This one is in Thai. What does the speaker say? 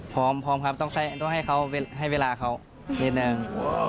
พร้อมครับต้องให้เวลาเขานิดหนึ่ง